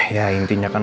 ya intinya kan